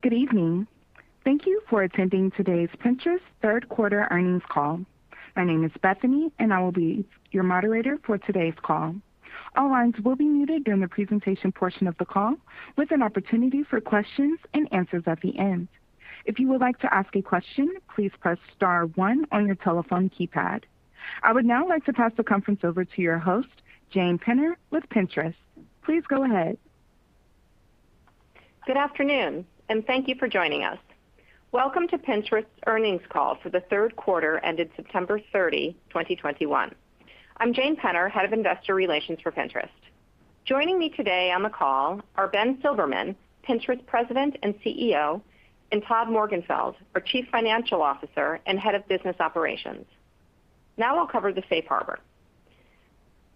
Good evening. Thank you for attending today's Pinterest third quarter earnings call. My name is Bethany, and I will be your moderator for today's call. All lines will be muted during the presentation portion of the call, with an opportunity for questions and answers at the end. If you would like to ask a question, please press star one on your telephone keypad. I would now like to pass the conference over to your host, Jane Penner with Pinterest. Please go ahead. Good afternoon, and thank you for joining us. Welcome to Pinterest's earnings call for the third quarter ended September 30, 2021. I'm Jane Penner, Head of Investor Relations for Pinterest. Joining me today on the call are Ben Silbermann, Pinterest President and CEO, and Todd Morgenfeld, our Chief Financial Officer and Head of Business Operations. Now we'll cover the safe harbor.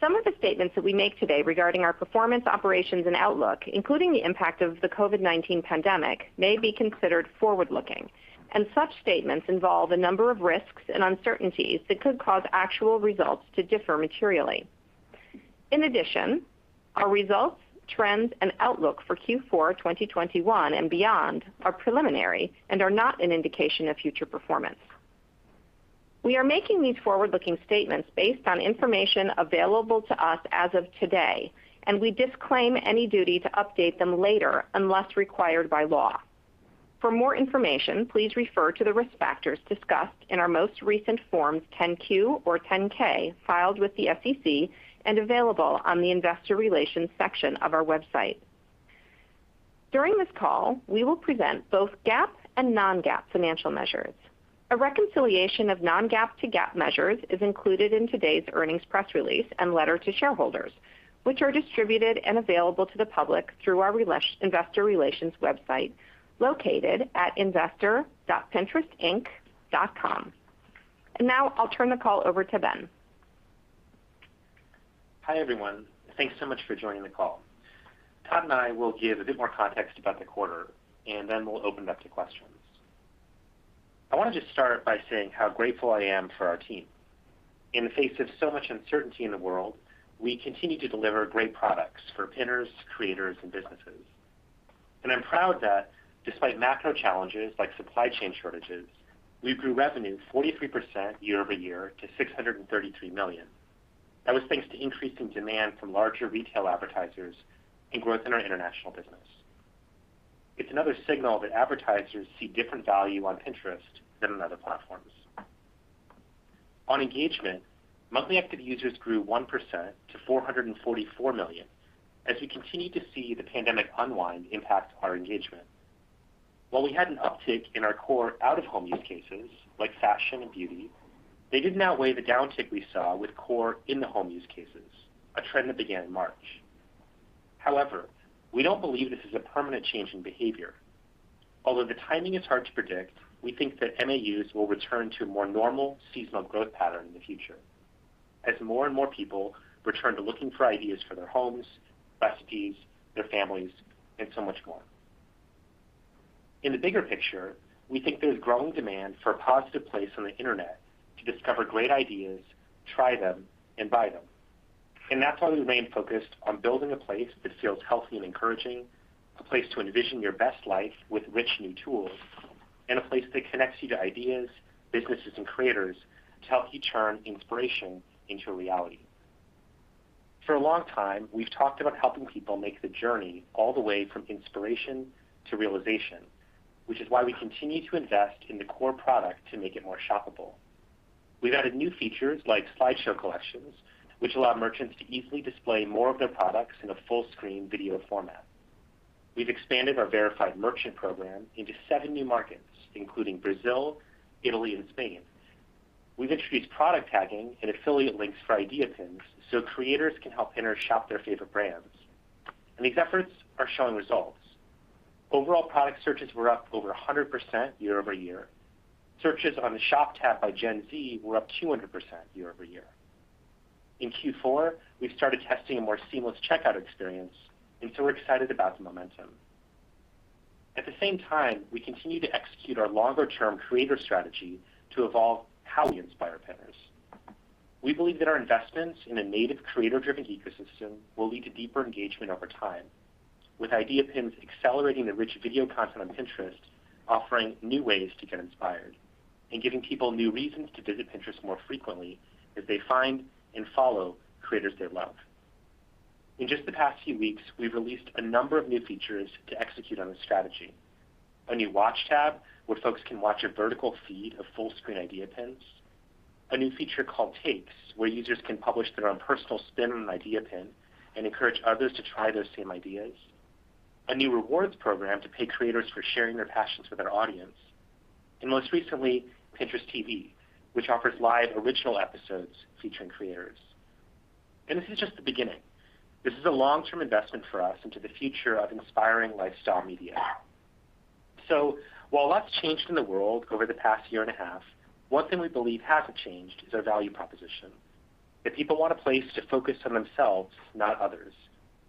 Some of the statements that we make today regarding our performance, operations and outlook, including the impact of the COVID-19 pandemic, may be considered forward-looking, and such statements involve a number of risks and uncertainties that could cause actual results to differ materially. In addition, our results, trends and outlook for Q4 2021 and beyond are preliminary and are not an indication of future performance. We are making these forward-looking statements based on information available to us as of today, and we disclaim any duty to update them later unless required by law. For more information, please refer to the risk factors discussed in our most recent Forms 10-Q or 10-K filed with the SEC and available on the investor relations section of our website. During this call, we will present both GAAP and non-GAAP financial measures. A reconciliation of non-GAAP to GAAP measures is included in today's earnings press release and letter to shareholders, which are distributed and available to the public through our investor relations website located at investor.pinterestinc.com. Now I'll turn the call over to Ben. Hi everyone. Thanks so much for joining the call. Todd and I will give a bit more context about the quarter and then we'll open it up to questions. I want to just start by saying how grateful I am for our team. In the face of so much uncertainty in the world, we continue to deliver great products for Pinners, creators and businesses. I'm proud that despite macro challenges like supply chain shortages, we grew revenue 43% year-over-year to $633 million. That was thanks to increasing demand from larger retail advertisers and growth in our international business. It's another signal that advertisers see different value on Pinterest than on other platforms. On engagement, monthly active users grew 1% to 444 million as we continue to see the pandemic unwind impact our engagement. While we had an uptick in our core out of home use cases like fashion and beauty, they didn't outweigh the downtick we saw with core in the home use cases, a trend that began in March. However, we don't believe this is a permanent change in behavior. Although the timing is hard to predict, we think that MAUs will return to a more normal seasonal growth pattern in the future as more and more people return to looking for ideas for their homes, recipes, their families and so much more. In the bigger picture, we think there's growing demand for a positive place on the Internet to discover great ideas, try them and buy them. That's why we remain focused on building a place that feels healthy and encouraging, a place to envision your best life with rich new tools, and a place that connects you to ideas, businesses and creators to help you turn inspiration into reality. For a long time, we've talked about helping people make the journey all the way from inspiration to realization, which is why we continue to invest in the core product to make it more shoppable. We've added new features like Slideshow for Collections, which allow merchants to easily display more of their products in a full screen video format. We've expanded our Verified Merchant Program into seven new markets, including Brazil, Italy and Spain. We've introduced product tagging and affiliate links for Idea Pins so creators can help Pinners shop their favorite brands. These efforts are showing results. Overall product searches were up over 100% year-over-year. Searches on the shop tab by Gen Z were up 200% year-over-year. In Q4, we've started testing a more seamless checkout experience, and so we're excited about the momentum. At the same time, we continue to execute our longer term creator strategy to evolve how we inspire Pinners. We believe that our investments in a native creator-driven ecosystem will lead to deeper engagement over time, with idea pins accelerating the rich video content on Pinterest, offering new ways to get inspired and giving people new reasons to visit Pinterest more frequently as they find and follow creators they love. In just the past few weeks, we've released a number of new features to execute on this strategy. A new Watch tab where folks can watch a vertical feed of full screen Idea Pins, a new feature called Takes, where users can publish their own personal spin on an Idea Pin and encourage others to try those same ideas, a new rewards program to pay creators for sharing their passions with their audience, and most recently, Pinterest TV, which offers live original episodes featuring creators. This is just the beginning. This is a long-term investment for us into the future of inspiring lifestyle media. While a lot's changed in the world over the past year and a half, one thing we believe hasn't changed is our value proposition, that people want a place to focus on themselves, not others,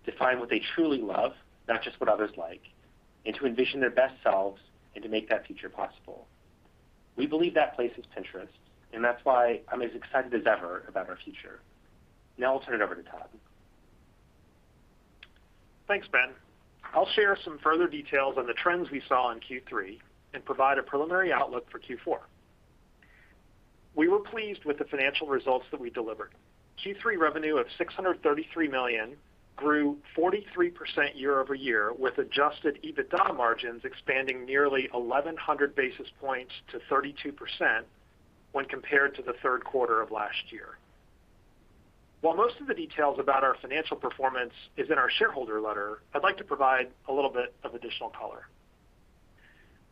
to find what they truly love, not just what others like, and to envision their best selves and to make that future possible. We believe that place is Pinterest, and that's why I'm as excited as ever about our future. Now I'll turn it over to Todd. Thanks, Ben. I'll share some further details on the trends we saw in Q3 and provide a preliminary outlook for Q4. We were pleased with the financial results that we delivered. Q3 revenue of 633 million grew 43% year-over-year, with adjusted EBITDA margins expanding nearly 1,100 basis points to 32% when compared to the Q3 of last year. While most of the details about our financial performance is in our shareholder letter, I'd like to provide a little bit of additional color.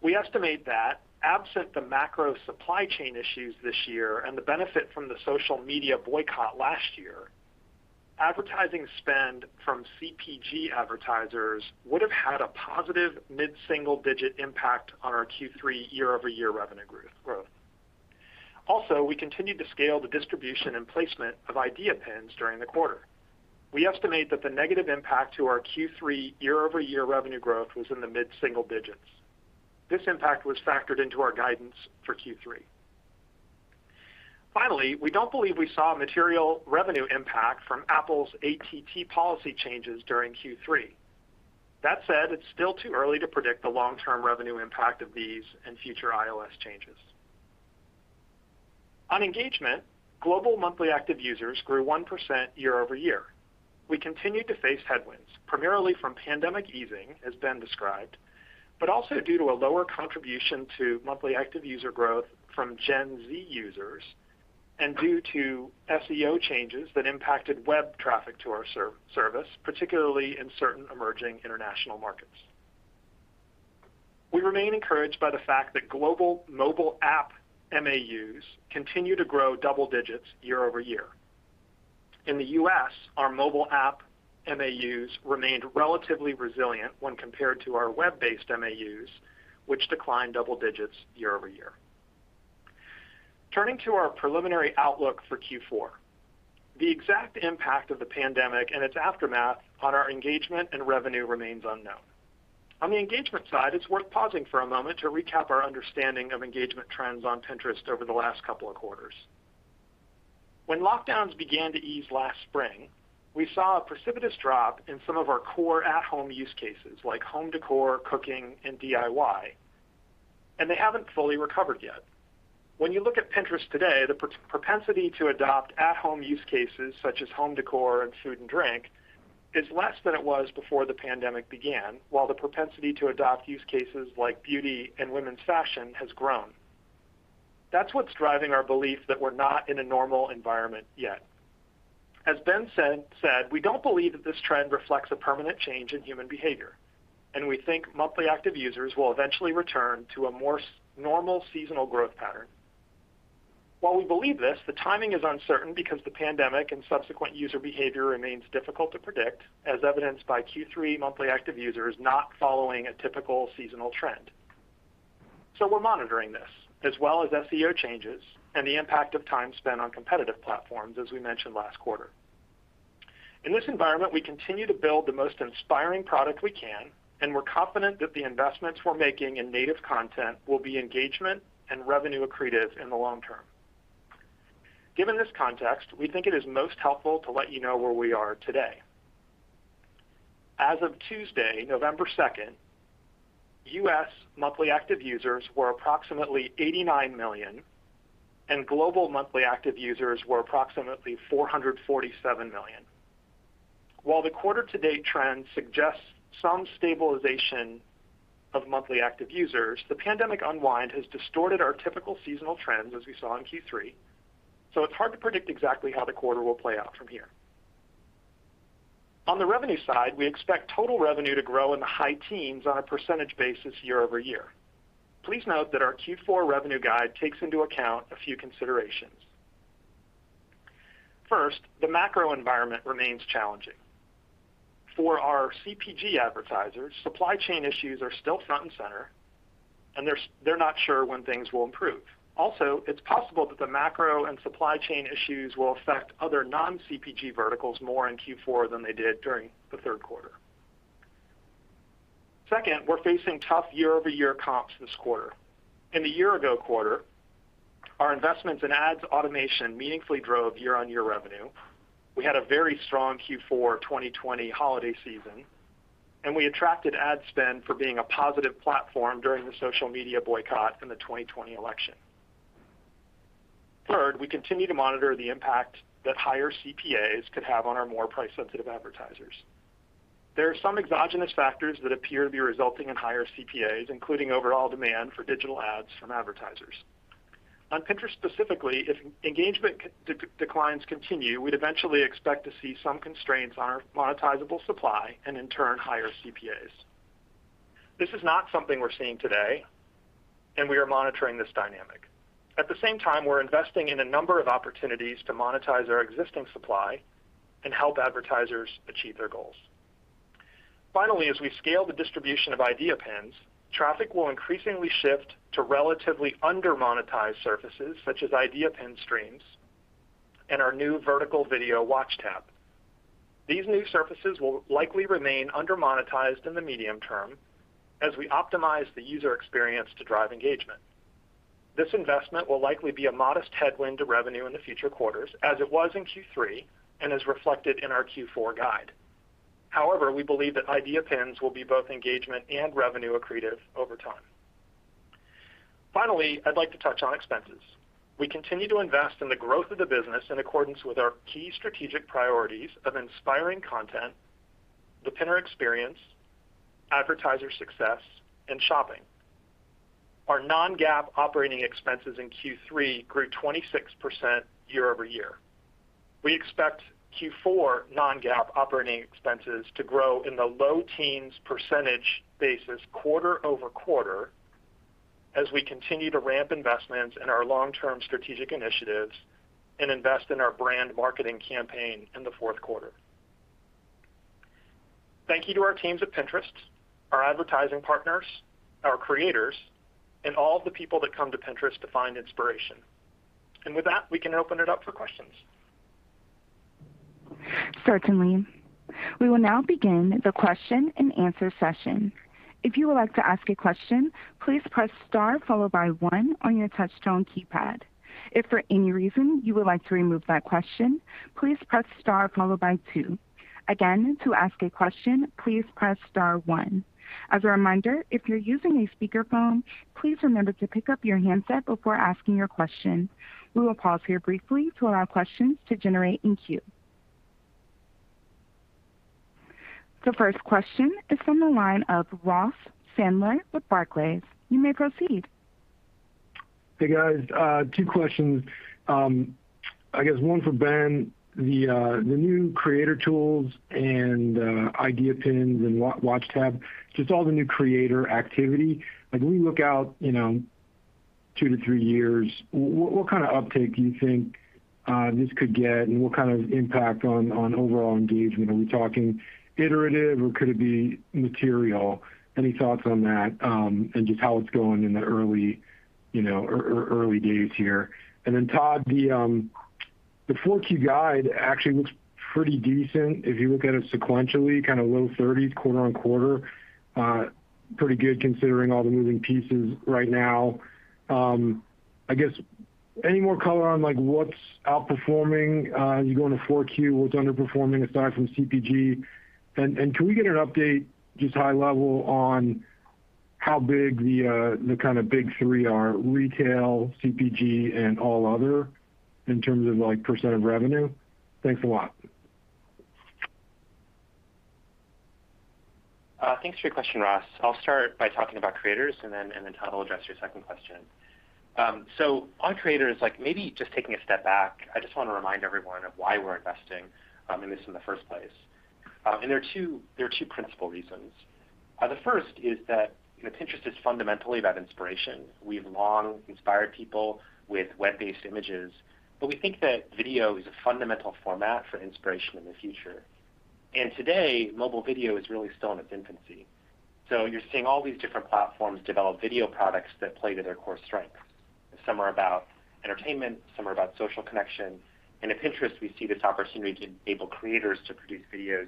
We estimate that absent the macro supply chain issues this year and the benefit from the social media boycott last year, advertising spend from CPG advertisers would have had a positive mid-single-digit impact on our Q3 year-over-year revenue growth. Also, we continued to scale the distribution and placement of Idea Pins during the quarter. We estimate that the negative impact to our Q3 year-over-year revenue growth was in the mid-single digits. This impact was factored into our guidance for Q3. Finally, we don't believe we saw a material revenue impact from Apple's ATT policy changes during Q3. That said, it's still too early to predict the long-term revenue impact of these and future iOS changes. On engagement, global monthly active users grew 1% year-over-year. We continued to face headwinds, primarily from pandemic easing, as Ben described, but also due to a lower contribution to monthly active user growth from Gen Z users and due to SEO changes that impacted web traffic to our service, particularly in certain emerging international markets. We remain encouraged by the fact that global mobile app MAUs continue to grow double digits year-over-year. In the U.S., our mobile app MAUs remained relatively resilient when compared to our web-based MAUs, which declined double digits year-over-year. Turning to our preliminary outlook for Q4. The exact impact of the pandemic and its aftermath on our engagement and revenue remains unknown. On the engagement side, it's worth pausing for a moment to recap our understanding of engagement trends on Pinterest over the last couple of quarters. When lockdowns began to ease last spring, we saw a precipitous drop in some of our core at-home use cases like home decor, cooking, and DIY, and they haven't fully recovered yet. When you look at Pinterest today, the propensity to adopt at-home use cases such as home decor and food and drink is less than it was before the pandemic began, while the propensity to adopt use cases like beauty and women's fashion has grown. That's what's driving our belief that we're not in a normal environment yet. As Ben said, we don't believe that this trend reflects a permanent change in human behavior, and we think monthly active users will eventually return to a more normal seasonal growth pattern. While we believe this, the timing is uncertain because the pandemic and subsequent user behavior remains difficult to predict, as evidenced by Q3 monthly active users not following a typical seasonal trend. We're monitoring this, as well as SEO changes and the impact of time spent on competitive platforms, as we mentioned last quarter. In this environment, we continue to build the most inspiring product we can, and we're confident that the investments we're making in native content will be engagement and revenue accretive in the long term. Given this context, we think it is most helpful to let you know where we are today. As of Tuesday, November 2, U.S. monthly active users were approximately 89 million, and global monthly active users were approximately 447 million. While the quarter to date trend suggests some stabilization of monthly active users, the pandemic unwind has distorted our typical seasonal trends as we saw in Q3. It's hard to predict exactly how the quarter will play out from here. On the revenue side, we expect total revenue to grow in the high teens on a percentage basis year-over-year. Please note that our Q4 revenue guide takes into account a few considerations. First, the macro environment remains challenging. For our CPG advertisers, supply chain issues are still front and center, and they're not sure when things will improve. It's possible that the macro and supply chain issues will affect other non-CPG verticals more in Q4 than they did during the third quarter. Second, we're facing tough year-over-year comps this quarter. In the year-ago quarter, our investments in ads automation meaningfully drove year-on-year revenue. We had a very strong Q4 2020 holiday season, and we attracted ad spend for being a positive platform during the social media boycott in the 2020 election. Third, we continue to monitor the impact that higher CPAs could have on our more price-sensitive advertisers. There are some exogenous factors that appear to be resulting in higher CPAs, including overall demand for digital ads from advertisers. On Pinterest specifically, if engagement declines continue, we'd eventually expect to see some constraints on our monetizable supply and in turn, higher CPAs. This is not something we're seeing today, and we are monitoring this dynamic. At the same time, we're investing in a number of opportunities to monetize our existing supply and help advertisers achieve their goals. Finally, as we scale the distribution of Idea Pins, traffic will increasingly shift to relatively under-monetized surfaces such as Idea Pin streams and our new vertical video Watch tab. These new surfaces will likely remain under-monetized in the medium term as we optimize the user experience to drive engagement. This investment will likely be a modest headwind to revenue in the future quarters as it was in Q3 and is reflected in our Q4 guide. However, we believe that Idea Pins will be both engagement and revenue accretive over time. Finally, I'd like to touch on expenses. We continue to invest in the growth of the business in accordance with our key strategic priorities of inspiring content, the Pinner experience, advertiser success, and shopping. Our non-GAAP operating expenses in Q3 grew 26% year-over-year. We expect Q4 non-GAAP operating expenses to grow in the low teens percentage basis quarter-over-quarter as we continue to ramp investments in our long-term strategic initiatives and invest in our brand marketing campaign in the Q4. Thank you to our teams at Pinterest, our advertising partners, our creators, and all the people that come to Pinterest to find inspiration. With that, we can open it up for questions. Certainly. We will now begin the question-and-answer session. If you would like to ask a question, please press star followed by one on your touchtone keypad. If for any reason you would like to remove that question, please press star followed by two. Again, to ask a question, please press star one. As a reminder, if you're using a speakerphone, please remember to pick up your handset before asking your question. We will pause here briefly to allow questions to generate in queue. The first question is from the line of Ross Sandler with Barclays. You may proceed. Hey, guys. Two questions. I guess one for Ben. The new creator tools and Idea Pins and Watch tab, just all the new creator activity, like when we look out, you know, two to three years, what kind of uptake do you think this could get, and what kind of impact on overall engagement? Are we talking iterative, or could it be material? Any thoughts on that, and just how it's going in the early, you know, early days here? Then Todd, the Q4 guide actually looks pretty decent if you look at it sequentially, kind of low thirties quarter-over-quarter. Pretty good considering all the moving pieces right now. I guess any more color on, like, what's outperforming as you go into Q4, what's underperforming aside from CPG? Can we get an update, just high level on how big the kind of big three are, retail, CPG, and all other in terms of, like, % of revenue? Thanks a lot. Thanks for your question, Ross. I'll start by talking about creators and then Todd will address your second question. On creators, like maybe just taking a step back, I just want to remind everyone of why we're investing in the first place. There are two principal reasons. The first is that, you know, Pinterest is fundamentally about inspiration. We've long inspired people with web-based images, but we think that video is a fundamental format for inspiration in the future. Today, mobile video is really still in its infancy. You're seeing all these different platforms develop video products that play to their core strengths. Some are about entertainment, some are about social connection. At Pinterest, we see this opportunity to enable creators to produce videos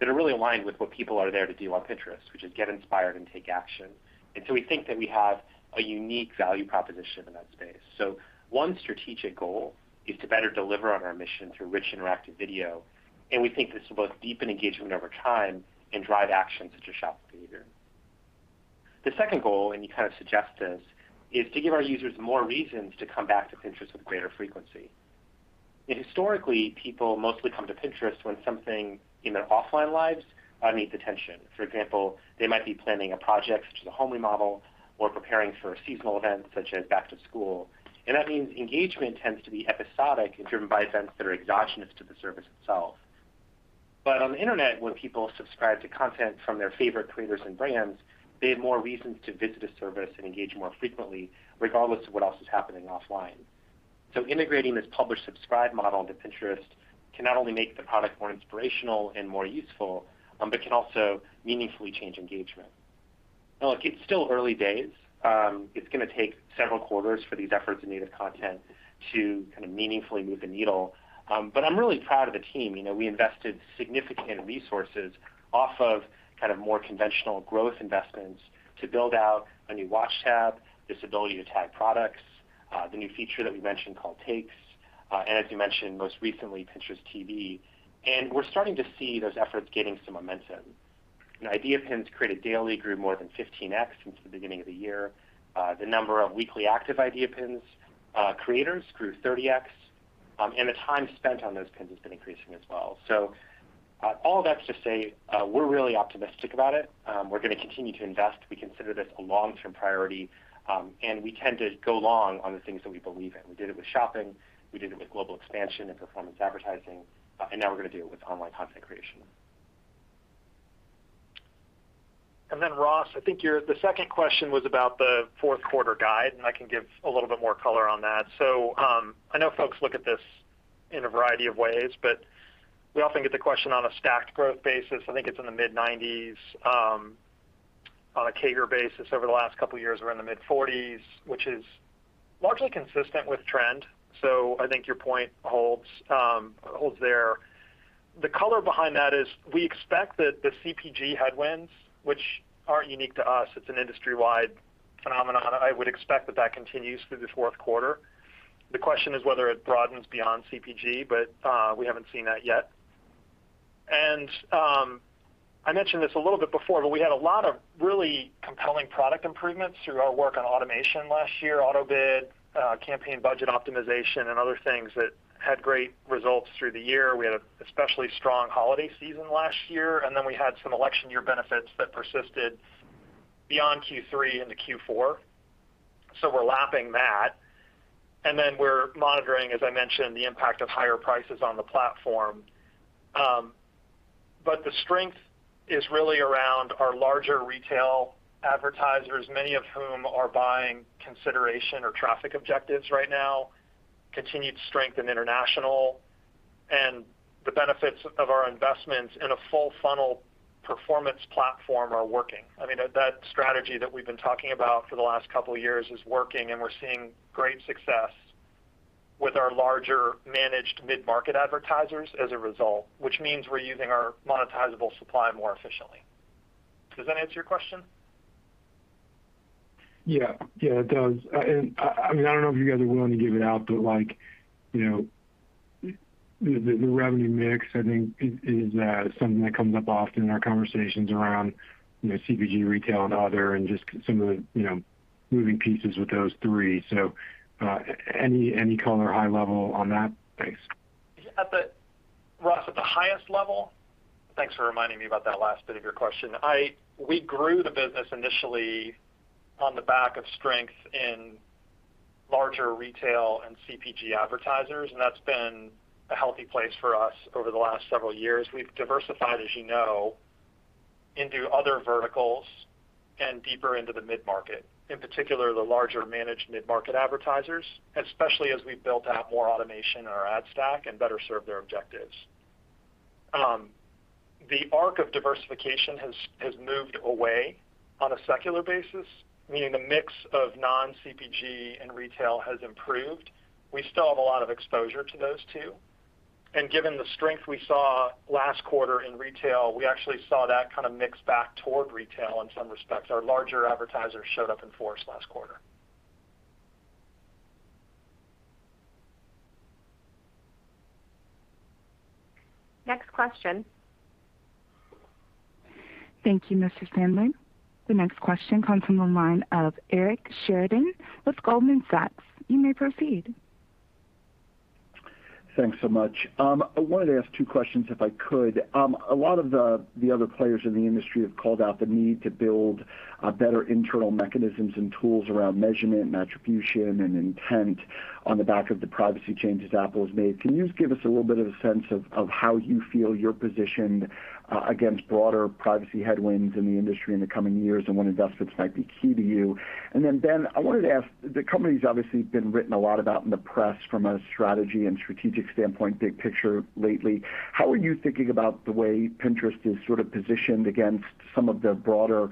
that are really aligned with what people are there to do on Pinterest, which is get inspired and take action. We think that we have a unique value proposition in that space. One strategic goal is to better deliver on our mission through rich interactive video, and we think this will both deepen engagement over time and drive action such as shopping behavior. The second goal, and you kind of suggest this, is to give our users more reasons to come back to Pinterest with greater frequency. Historically, people mostly come to Pinterest when something in their offline lives needs attention. For example, they might be planning a project such as a home remodel or preparing for a seasonal event such as back to school. that means engagement tends to be episodic and driven by events that are exogenous to the service itself. On the internet, when people subscribe to content from their favorite creators and brands, they have more reasons to visit a service and engage more frequently regardless of what else is happening offline. Integrating this publish-subscribe model into Pinterest can not only make the product more inspirational and more useful, but can also meaningfully change engagement. Now look, it's still early days. It's gonna take several quarters for these efforts in native content to kind of meaningfully move the needle. I'm really proud of the team. You know, we invested significant resources off of kind of more conventional growth investments to build out a new Watch tab, this ability to tag products, the new feature that we mentioned called Takes, and as you mentioned, most recently, Pinterest TV. We're starting to see those efforts gaining some momentum. You know, Idea Pins created daily grew more than 15x since the beginning of the year. The number of weekly active Idea Pins creators grew 30x. And the time spent on those pins has been increasing as well. All that's to say, we're really optimistic about it. We're gonna continue to invest. We consider this a long-term priority, and we tend to go long on the things that we believe in. We did it with shopping, we did it with global expansion and performance advertising, and now we're gonna do it with online content creation. Ross, I think your the second question was about the Q4 guide, and I can give a little bit more color on that. I know folks look at this in a variety of ways, but we often get the question on a stacked growth basis. I think it's in the mid-90s%, on a CAGR basis over the last couple of years around the mid-40s%, which is largely consistent with trend. I think your point holds there. The color behind that is we expect that the CPG headwinds, which aren't unique to us, it's an industry-wide phenomenon. I would expect that continues through the Q4. The question is whether it broadens beyond CPG, but we haven't seen that yet. I mentioned this a little bit before, but we had a lot of really compelling product improvements through our work on automation last year, auto bid, campaign budget optimization, and other things that had great results through the year. We had an especially strong holiday season last year, and then we had some election year benefits that persisted beyond Q3 into Q4. We're lapping that. We're monitoring, as I mentioned, the impact of higher prices on the platform. The strength is really around our larger retail advertisers, many of whom are buying consideration or traffic objectives right now, continued strength in international, and the benefits of our investments in a full funnel performance platform are working. I mean, that strategy that we've been talking about for the last couple of years is working, and we're seeing great success with our larger managed mid-market advertisers as a result, which means we're using our monetizable supply more efficiently. Does that answer your question? Yeah. Yeah, it does. I mean, I don't know if you guys are willing to give it out, but like, you know, the revenue mix, I think is something that comes up often in our conversations around, you know, CPG, retail and other and just some of the, you know, moving pieces with those three. Any color high level on that? Thanks. Ross, at the highest level, thanks for reminding me about that last bit of your question. We grew the business initially on the back of strength in larger retail and CPG advertisers, and that's been a healthy place for us over the last several years. We've diversified, as you know, into other verticals and deeper into the mid-market, in particular, the larger managed mid-market advertisers, especially as we built out more automation in our ad stack and better serve their objectives. The arc of diversification has moved away on a secular basis, meaning the mix of non-CPG and retail has improved. We still have a lot of exposure to those two. Given the strength we saw last quarter in retail, we actually saw that kind of mix back toward retail in some respects. Our larger advertisers showed up in force last quarter. Next question. Thank you, Mr. Sandler. The next question comes from the line of Eric Sheridan with Goldman Sachs. You may proceed. Thanks so much. I wanted to ask two questions, if I could. A lot of the other players in the industry have called out the need to build better internal mechanisms and tools around measurement and attribution and intent on the back of the privacy changes Apple has made. Can you give us a little bit of a sense of how you feel you're positioned against broader privacy headwinds in the industry in the coming years and when investments might be key to you? Then, Ben, I wanted to ask, the company's obviously been written a lot about in the press from a strategy and strategic standpoint, big picture lately. How are you thinking about the way Pinterest is sort of positioned against some of the broader,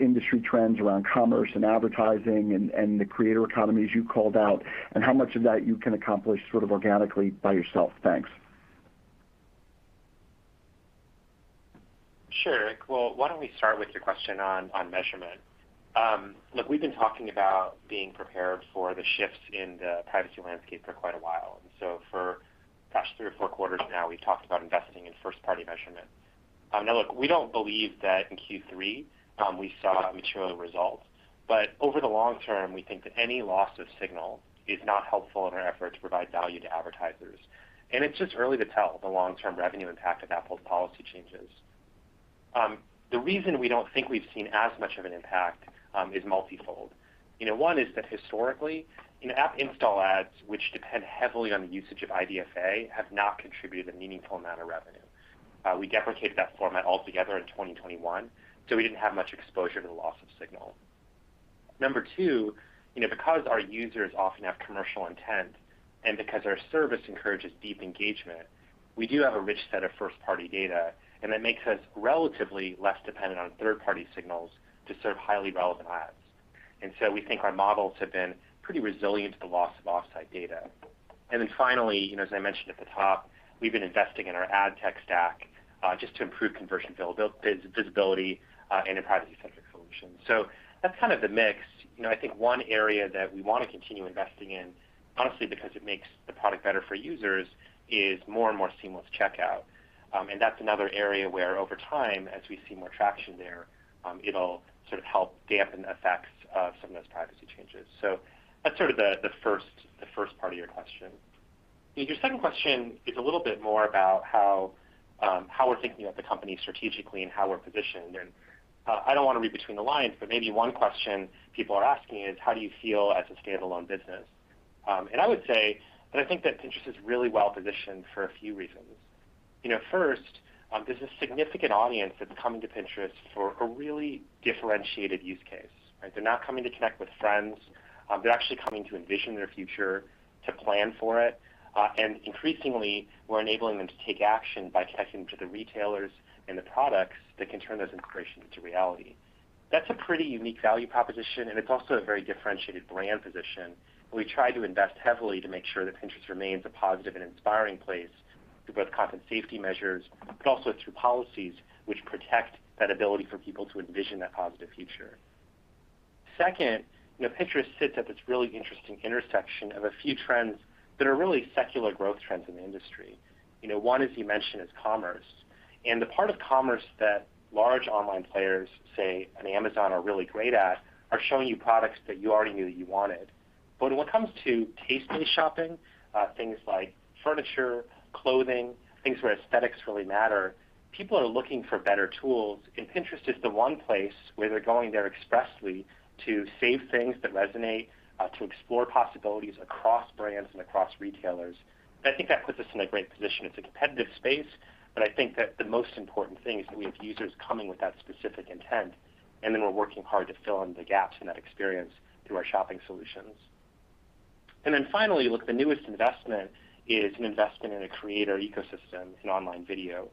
industry trends around commerce and advertising and the creator economy, as you called out, and how much of that you can accomplish sort of organically by yourself? Thanks. Sure, Eric. Well, why don't we start with your question on measurement? Look, we've been talking about being prepared for the shifts in the privacy landscape for quite a while. For the past three or four quarters now, we've talked about investing in first-party measurement. Now, look, we don't believe that in Q3 we saw material results. Over the long term, we think that any loss of signal is not helpful in our effort to provide value to advertisers. It's just early to tell the long-term revenue impact of Apple's policy changes. The reason we don't think we've seen as much of an impact is multi-fold. You know, one is that historically, in app install ads, which depend heavily on the usage of IDFA, have not contributed a meaningful amount of revenue. We deprecated that format altogether in 2021, so we didn't have much exposure to the loss of signal. Number two, you know, because our users often have commercial intent and because our service encourages deep engagement, we do have a rich set of first-party data, and that makes us relatively less dependent on third-party signals to serve highly relevant ads. We think our models have been pretty resilient to the loss of off-site data. Finally, you know, as I mentioned at the top, we've been investing in our ad tech stack just to improve conversion visibility and a privacy-centric solution. That's kind of the mix. You know, I think one area that we want to continue investing in, honestly, because it makes the product better for users, is more and more seamless checkout. That's another area where over time, as we see more traction there, it'll sort of help dampen the effects of some of those privacy changes. That's sort of the first part of your question. Your second question is a little bit more about how we're thinking about the company strategically and how we're positioned. I don't want to read between the lines, but maybe one question people are asking is, how do you feel as a standalone business? I would say that I think that Pinterest is really well-positioned for a few reasons. You know, first, there's a significant audience that's coming to Pinterest for a really differentiated use case, right? They're not coming to connect with friends. They're actually coming to envision their future, to plan for it. Increasingly, we're enabling them to take action by connecting to the retailers and the products that can turn those inspirations into reality. That's a pretty unique value proposition, and it's also a very differentiated brand position. We try to invest heavily to make sure that Pinterest remains a positive and inspiring place through both content safety measures, but also through policies which protect that ability for people to envision that positive future. Second, you know, Pinterest sits at this really interesting intersection of a few trends that are really secular growth trends in the industry. You know, one, as you mentioned, is commerce. The part of commerce that large online players such as Amazon are really great at are showing you products that you already knew that you wanted. When it comes to taste-based shopping, things like furniture, clothing, things where aesthetics really matter, people are looking for better tools, and Pinterest is the one place where they're going there expressly to save things that resonate, to explore possibilities across brands and across retailers. I think that puts us in a great position. It's a competitive space, but I think that the most important thing is that we have users coming with that specific intent, and then we're working hard to fill in the gaps in that experience through our shopping solutions. Finally, look, the newest investment is an investment in a creator ecosystem in online video.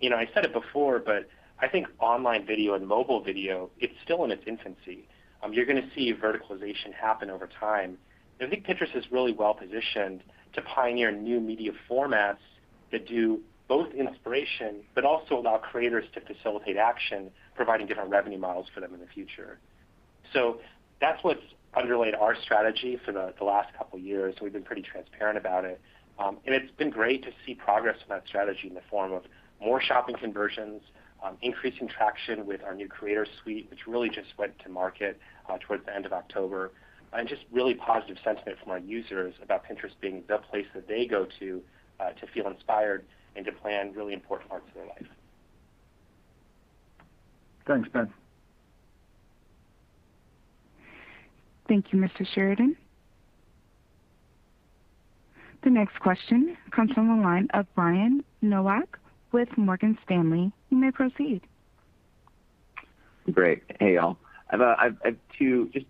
You know, I said it before, but I think online video and mobile video, it's still in its infancy. You're gonna see verticalization happen over time. I think Pinterest is really well-positioned to pioneer new media formats that do both inspiration but also allow creators to facilitate action, providing different revenue models for them in the future. That's what's underlaid our strategy for the last couple of years, so we've been pretty transparent about it. It's been great to see progress in that strategy in the form of more shopping conversions, increasing traction with our new creator suite, which really just went to market towards the end of October, and just really positive sentiment from our users about Pinterest being the place that they go to to feel inspired and to plan really important parts of their life. Thanks, Ben. Thank you, Mr. Sheridan. The next question comes from the line of Brian Nowak with Morgan Stanley. You may proceed. Great. Hey, all. I have two. Just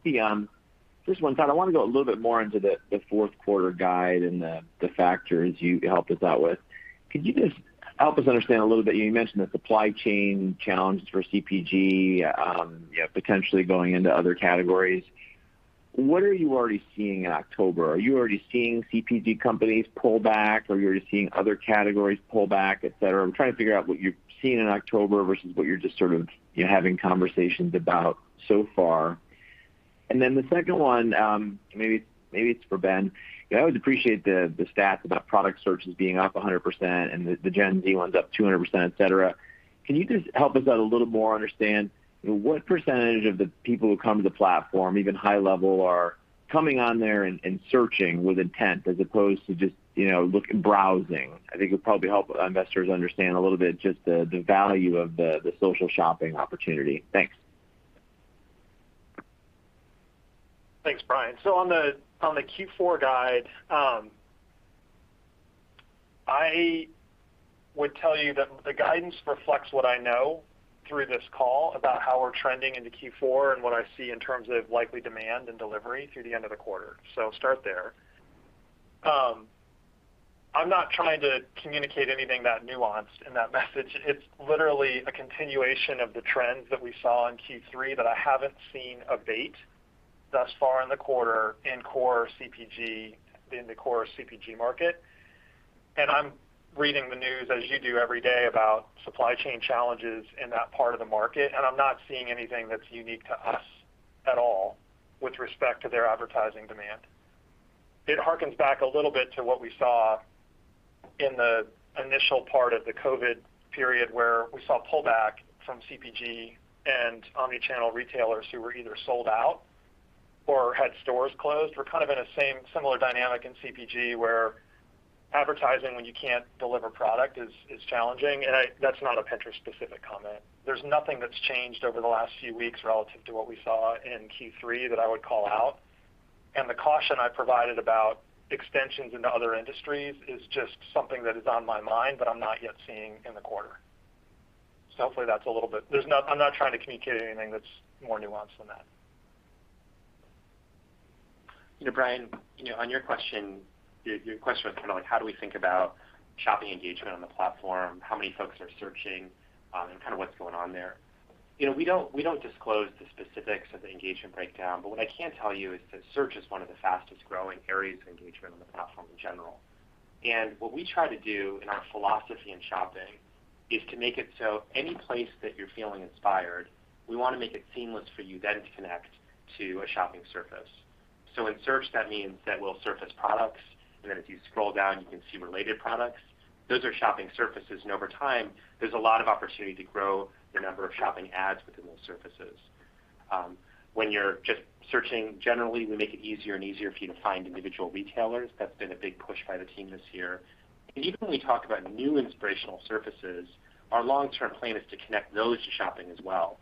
one thought. I want to go a little bit more into the fourth quarter guide and the factors you helped us out with. Could you just help us understand a little bit, you mentioned the supply chain challenges for CPG, you know, potentially going into other categories. What are you already seeing in October? Are you already seeing CPG companies pull back? Are you already seeing other categories pull back, et cetera? I'm trying to figure out what you've seen in October versus what you're just sort of, you know, having conversations about so far. The second one, maybe it's for Ben. You know, I always appreciate the stats about product searches being up 100% and the Gen Z ones up 200%, et cetera. Can you just help us out a little more understand, you know, what percentage of the people who come to the platform, even high level, are coming on there and searching with intent as opposed to just, you know, browsing? I think it'll probably help investors understand a little bit just the value of the social shopping opportunity. Thanks. Thanks, Brian. On the Q4 guide, I would tell you that the guidance reflects what I know through this call about how we're trending into Q4 and what I see in terms of likely demand and delivery through the end of the quarter. Start there. I'm not trying to communicate anything that nuanced in that message. It's literally a continuation of the trends that we saw in Q3 that I haven't seen abate thus far in the quarter in core CPG market. I'm reading the news as you do every day about supply chain challenges in that part of the market, and I'm not seeing anything that's unique to us at all with respect to their advertising demand. It harkens back a little bit to what we saw in the initial part of the COVID period, where we saw pullback from CPG and omni-channel retailers who were either sold out or had stores closed. We're kind of in a similar dynamic in CPG, where advertising when you can't deliver product is challenging. That's not a Pinterest-specific comment. There's nothing that's changed over the last few weeks relative to what we saw in Q3 that I would call out. The caution I provided about extensions into other industries is just something that is on my mind, but I'm not yet seeing in the quarter. Hopefully, that's a little bit. I'm not trying to communicate anything that's more nuanced than that. You know, Brian, you know, on your question, your question was kind of like how do we think about shopping engagement on the platform, how many folks are searching, and kind of what's going on there. You know, we don't disclose the specifics of the engagement breakdown, but what I can tell you is that search is one of the fastest-growing areas of engagement on the platform in general. What we try to do in our philosophy in shopping is to make it so any place that you're feeling inspired, we want to make it seamless for you then to connect to a shopping surface. In search, that means that we'll surface products, and then if you scroll down, you can see related products. Those are shopping surfaces, and over time, there's a lot of opportunity to grow the number of shopping ads within those surfaces. When you're just searching generally, we make it easier and easier for you to find individual retailers. That's been a big push by the team this year. Even when we talk about new inspirational surfaces, our long-term plan is to connect those to shopping as well.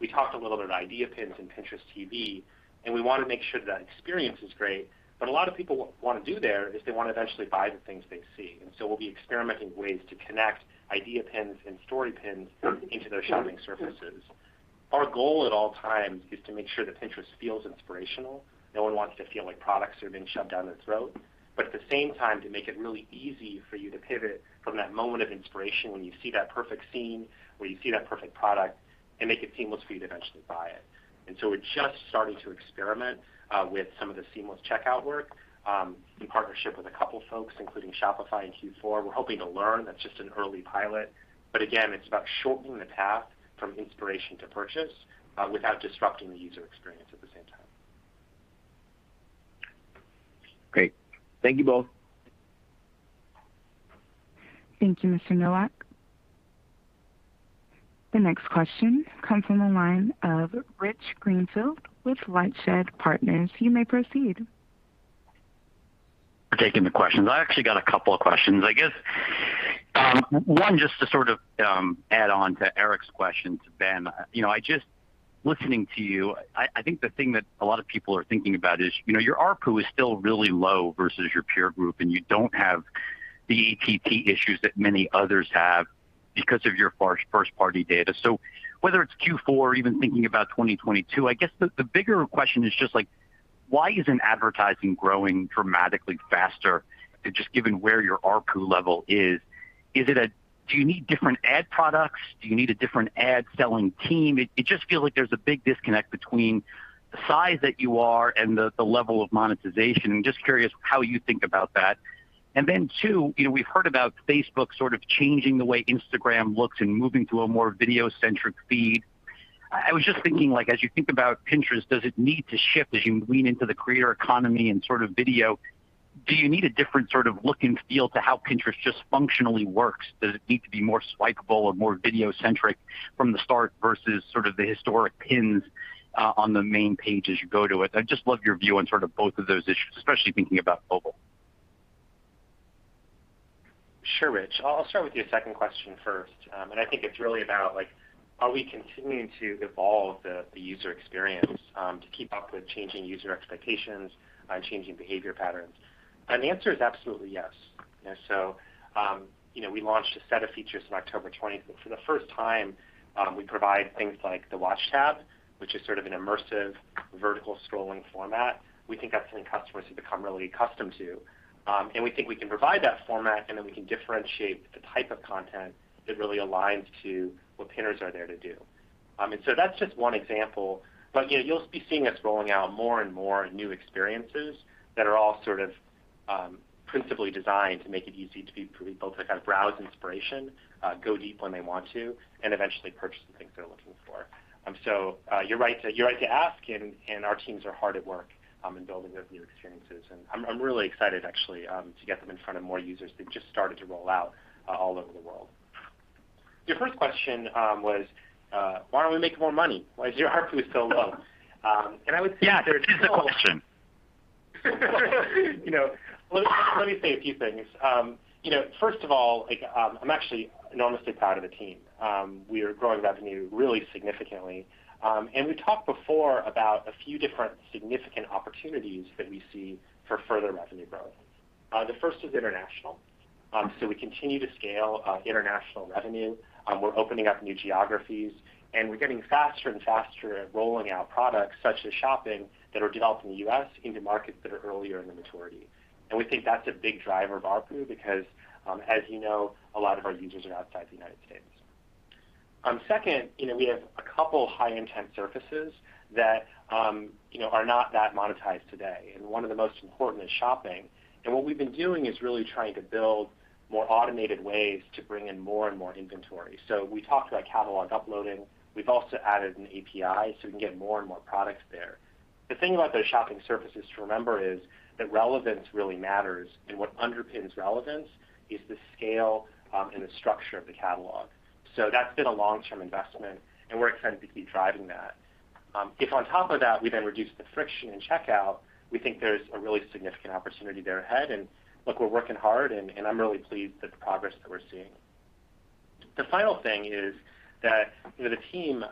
We talked a little bit about Idea Pins and Pinterest TV, and we want to make sure that experience is great, but a lot of people want to do there is they want to eventually buy the things they see. We'll be experimenting with ways to connect Idea Pins and Idea Pins into those shopping surfaces. Our goal at all times is to make sure that Pinterest feels inspirational. No one wants to feel like products are being shoved down their throat. At the same time, to make it really easy for you to pivot from that moment of inspiration when you see that perfect scene or you see that perfect product and make it seamless for you to eventually buy it. We're just starting to experiment with some of the seamless checkout work in partnership with a couple of folks, including Shopify in Q4. We're hoping to learn. That's just an early pilot. Again, it's about shortening the path from inspiration to purchase without disrupting the user experience at the same time. Great. Thank you both. Thank you, Mr. Nowak. The next question comes from the line of Rich Greenfield with LightShed Partners. You may proceed. for taking the questions. I actually got a couple of questions. I guess, one, just to sort of, add on to Eric's question to Ben. You know, listening to you, I think the thing that a lot of people are thinking about is, you know, your ARPU is still really low versus your peer group, and you don't have the ATT issues that many others have because of your first-party data. So whether it's Q4 or even thinking about 2022, I guess the bigger question is just, like, why isn't advertising growing dramatically faster just given where your ARPU level is? Do you need different ad products? Do you need a different ad selling team? It just feels like there's a big disconnect between the size that you are and the level of monetization. I'm just curious how you think about that. Then two, you know, we've heard about Facebook sort of changing the way Instagram looks and moving to a more video-centric feed. I was just thinking, like, as you think about Pinterest, does it need to shift as you lean into the creator economy and sort of video? Do you need a different sort of look and feel to how Pinterest just functionally works? Does it need to be more swipeable or more video-centric from the start versus sort of the historic pins on the main page as you go to it? I'd just love your view on sort of both of those issues, especially thinking about mobile. Sure, Rich. I'll start with your second question first. I think it's really about, like, are we continuing to evolve the user experience to keep up with changing user expectations and changing behavior patterns? The answer is absolutely yes. You know, you know, we launched a set of features on October 20. For the first time, we provide things like the Watch tab, which is sort of an immersive vertical scrolling format. We think that's something customers have become really accustomed to. We think we can provide that format, and then we can differentiate the type of content that really aligns to what pinners are there to do. That's just one example. You know, you'll be seeing us rolling out more and more new experiences that are all sort of principally designed to make it easy for people to kind of browse inspiration, go deep when they want to, and eventually purchase the things they're looking for. So you're right to ask, and our teams are hard at work in building those new experiences. I'm really excited actually to get them in front of more users. They've just started to roll out all over the world. Your first question was why don't we make more money? Why is your ARPU so low? I would say- Yeah, it is a question. You know, let me say a few things. You know, first of all, like, I'm actually enormously proud of the team. We are growing revenue really significantly. We talked before about a few different significant opportunities that we see for further revenue growth. The first is international. We continue to scale international revenue. We're opening up new geographies, and we're getting faster and faster at rolling out products such as shopping that are developed in the U.S. into markets that are earlier in the maturity. We think that's a big driver of ARPU because, as you know, a lot of our users are outside the United States. Second, you know, we have a couple high-intent surfaces that you know are not that monetized today. One of the most important is shopping. What we've been doing is really trying to build more automated ways to bring in more and more inventory. We talked about catalog uploading. We've also added an API so we can get more and more products there. The thing about those shopping surfaces to remember is that relevance really matters, and what underpins relevance is the scale, and the structure of the catalog. That's been a long-term investment, and we're excited to keep driving that. If on top of that, we then reduce the friction in checkout, we think there's a really significant opportunity there ahead. Look, we're working hard, and I'm really pleased with the progress that we're seeing. The final thing is that, you know, the team,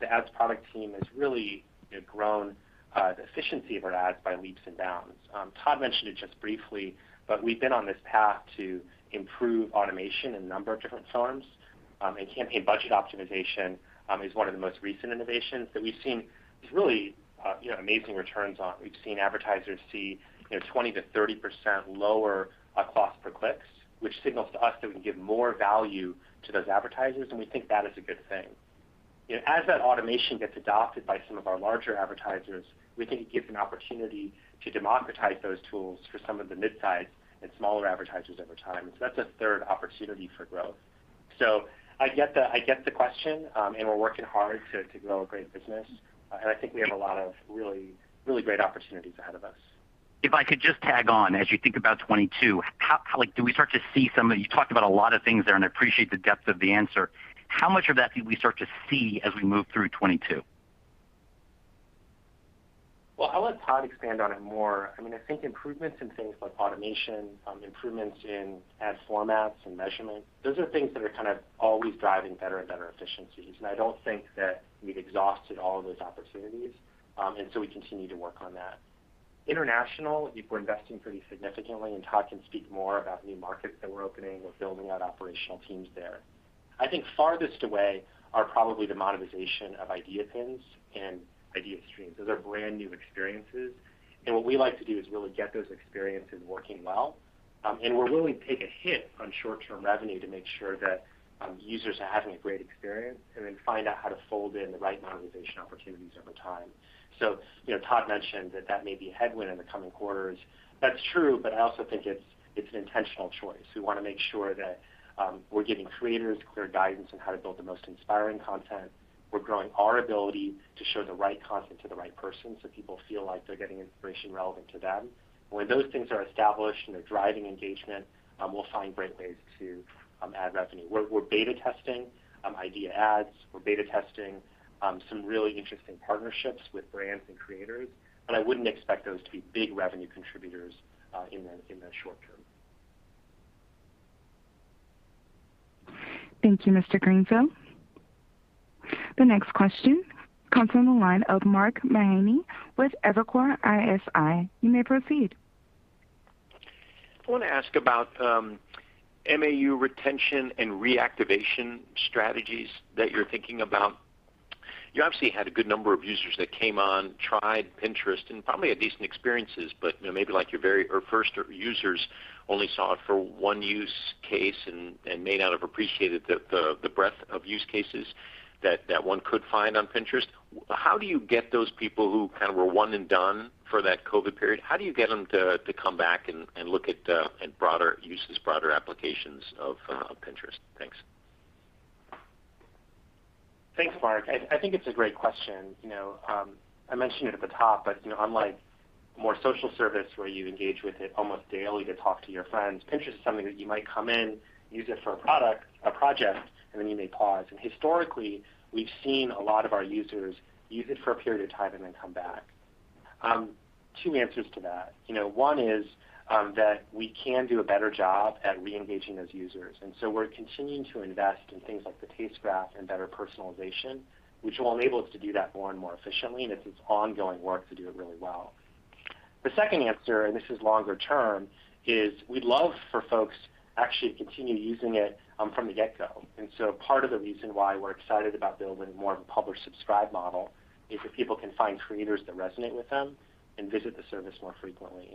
the ads product team has really, you know, grown the efficiency of our ads by leaps and bounds. Todd mentioned it just briefly, but we've been on this path to improve automation in a number of different forms. Campaign budget optimization is one of the most recent innovations that we've seen just really, you know, amazing returns on. We've seen advertisers see, you know, 20%-30% lower cost per click, which signals to us that we can give more value to those advertisers, and we think that is a good thing. You know, as that automation gets adopted by some of our larger advertisers, we think it gives an opportunity to democratize those tools for some of the mid-size and smaller advertisers over time. That's a third opportunity for growth. I get the question, and we're working hard to grow a great business. I think we have a lot of really great opportunities ahead of us. If I could just tack on, as you think about 2022, you talked about a lot of things there, and I appreciate the depth of the answer. How much of that do we start to see as we move through 2022? Well, I'll let Todd expand on it more. I mean, I think improvements in things like automation, improvements in ad formats and measurement, those are things that are kind of always driving better and better efficiencies. I don't think that we've exhausted all of those opportunities, and so we continue to work on that. International, we're investing pretty significantly, and Todd can speak more about new markets that we're opening. We're building out operational teams there. I think farthest away are probably the monetization of Idea Pins and idea streams. Those are brand new experiences, and what we like to do is really get those experiences working well. We're willing to take a hit on short-term revenue to make sure that users are having a great experience and then find out how to fold in the right monetization opportunities over time. You know, Todd mentioned that may be a headwind in the coming quarters. That's true, but I also think it's an intentional choice. We want to make sure that we're giving creators clear guidance on how to build the most inspiring content. We're growing our ability to show the right content to the right person so people feel like they're getting inspiration relevant to them. When those things are established and they're driving engagement, we'll find great ways to add revenue. We're beta testing Idea Ads. We're beta testing some really interesting partnerships with brands and creators, but I wouldn't expect those to be big revenue contributors in the short term. Thank you, Mr. Greenfield. The next question comes from the line of Mark Mahaney with Evercore ISI. You may proceed. I want to ask about MAU retention and reactivation strategies that you're thinking about. You obviously had a good number of users that came on, tried Pinterest, and probably had decent experiences, but you know, maybe like your very first users only saw it for one use case and may not have appreciated the breadth of use cases that one could find on Pinterest. How do you get those people who kind of were one and done for that COVID period, how do you get them to come back and look at broader uses, broader applications of Pinterest? Thanks. Thanks, Mark. I think it's a great question. You know, I mentioned it at the top, but you know, unlike more social service where you engage with it almost daily to talk to your friends, Pinterest is something that you might come in, use it for a product, a project, and then you may pause. Historically, we've seen a lot of our users use it for a period of time and then come back. Two answers to that. You know, one is that we can do a better job at re-engaging those users. We're continuing to invest in things like the Taste Graph and better personalization, which will enable us to do that more and more efficiently, and it's this ongoing work to do it really well. The second answer, and this is longer term, is we'd love for folks actually to continue using it, from the get-go. Part of the reason why we're excited about building more of a publish/subscribe model is that people can find creators that resonate with them and visit the service more frequently.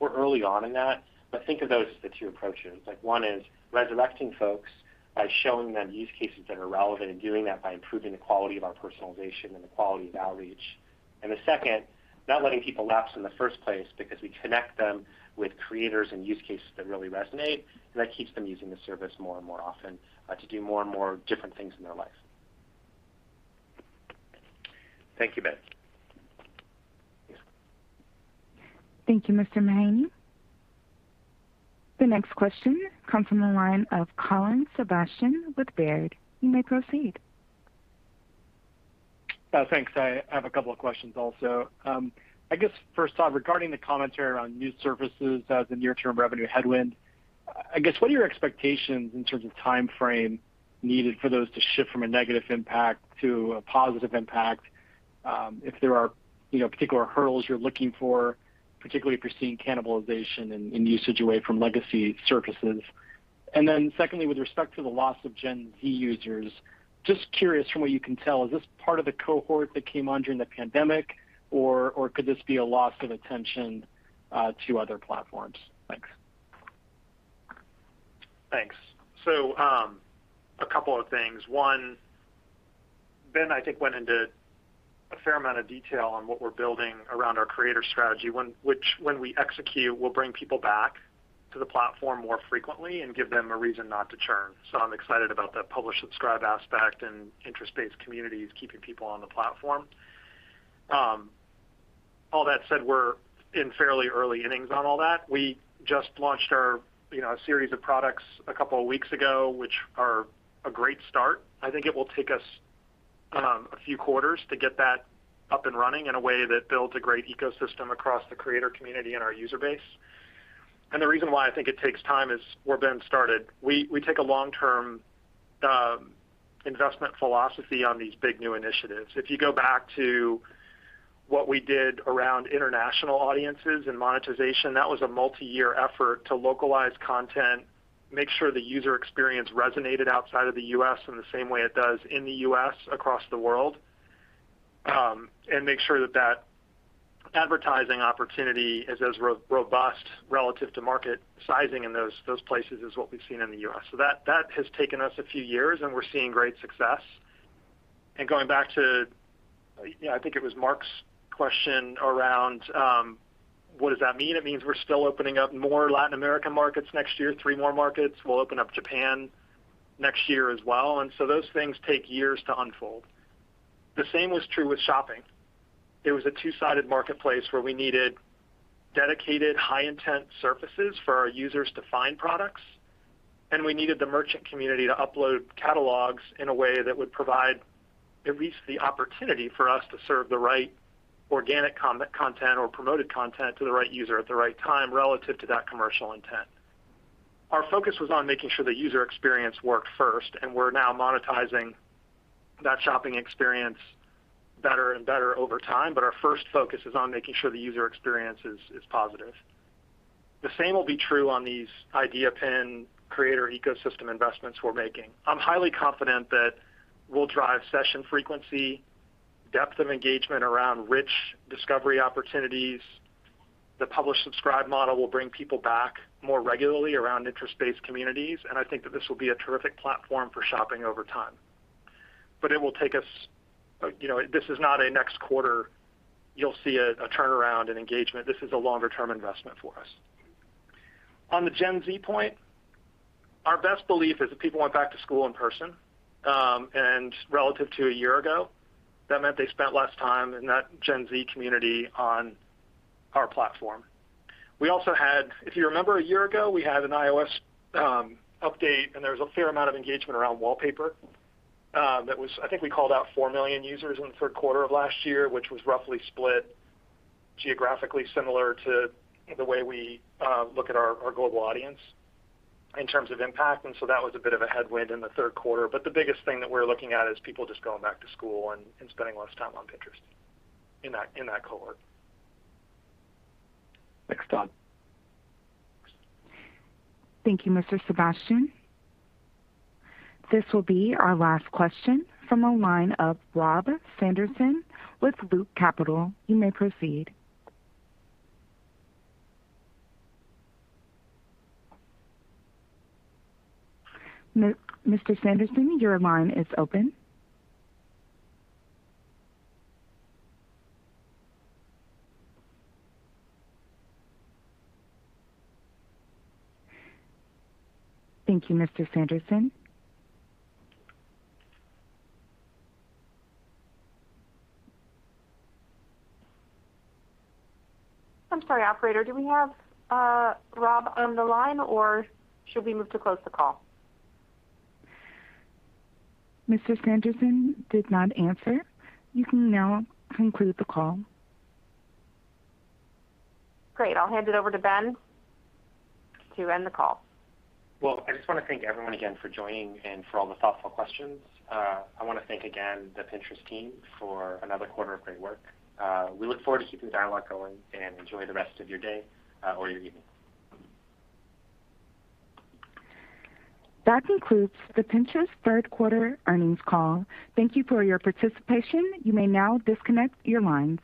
We're early on in that, but think of those as the two approaches. Like, one is resurrecting folks by showing them use cases that are relevant and doing that by improving the quality of our personalization and the quality of outreach. The second, not letting people lapse in the first place because we connect them with creators and use cases that really resonate, and that keeps them using the service more and more often, to do more and more different things in their life. Thank you, Ben. Thank you, Mr. Mahaney. The next question comes from the line of Colin Sebastian with Baird. You may proceed. Thanks. I have a couple of questions also. I guess first off, regarding the commentary around new services as a near-term revenue headwind, I guess, what are your expectations in terms of timeframe needed for those to shift from a negative impact to a positive impact? If there are, you know, particular hurdles you're looking for, particularly if you're seeing cannibalization in usage away from legacy services. Secondly, with respect to the loss of Gen Z users, just curious from what you can tell, is this part of the cohort that came on during the pandemic or could this be a loss of attention to other platforms? Thanks. Thanks. A couple of things. One, Ben, I think, went into a fair amount of detail on what we're building around our creator strategy, which, when we execute, will bring people back to the platform more frequently and give them a reason not to churn. I'm excited about that publish-subscribe aspect and interest-based communities keeping people on the platform. All that said, we're in fairly early innings on all that. We just launched our, you know, series of products a couple of weeks ago, which are a great start. I think it will take us a few quarters to get that up and running in a way that builds a great ecosystem across the creator community and our user base. The reason why I think it takes time is where Ben started. We take a long-term investment philosophy on these big new initiatives. If you go back to what we did around international audiences and monetization, that was a multi-year effort to localize content, make sure the user experience resonated outside of the U.S. in the same way it does in the U.S. across the world, and make sure that that advertising opportunity is as robust relative to market sizing in those places as what we've seen in the U.S. That has taken us a few years, and we're seeing great success. Going back to, yeah, I think it was Mark's question around what does that mean? It means we're still opening up more Latin American markets next year, three more markets. We'll open up Japan next year as well. Those things take years to unfold. The same was true with shopping. It was a two-sided marketplace where we needed dedicated high-intent surfaces for our users to find products, and we needed the merchant community to upload catalogs in a way that would provide at least the opportunity for us to serve the right organic content or promoted content to the right user at the right time relative to that commercial intent. Our focus was on making sure the user experience worked first and we're now monetizing that shopping experience better and better over time. Our first focus is on making sure the user experience is positive. The same will be true on these Idea Pin creator ecosystem investments we're making. I'm highly confident that we'll drive session frequency, depth of engagement around rich discovery opportunities. The publish-subscribe model will bring people back more regularly around interest-based communities, and I think that this will be a terrific platform for shopping over time. It will take us, you know. This is not a next quarter. You'll see a turnaround in engagement. This is a longer term investment for us. On the Gen Z point, our best belief is that people went back to school in person, and relative to a year ago, that meant they spent less time in that Gen Z community on our platform. If you remember a year ago, we had an iOS update, and there was a fair amount of engagement around wallpaper that was. I think we called out 4 million users in the third quarter of last year, which was roughly split geographically similar to the way we look at our global audience in terms of impact. That was a bit of a headwind in the third quarter. The biggest thing that we're looking at is people just going back to school and spending less time on Pinterest in that cohort. Next up. Thank you, Mr. Sebastian. This will be our last question from a line of Rob Sanderson with Loop Capital. You may proceed. Mr. Sanderson, your line is open. Thank you, Mr. Sanderson. I'm sorry, operator. Do we have Rob on the line or should we move to close the call? Mr. Sanderson did not answer. You can now conclude the call. Great. I'll hand it over to Ben to end the call. Well, I just want to thank everyone again for joining and for all the thoughtful questions. I want to thank again the Pinterest team for another quarter of great work. We look forward to keeping the dialogue going and enjoy the rest of your day, or your evening. That concludes the Pinterest third quarter earnings call. Thank you for your participation. You may now disconnect your lines.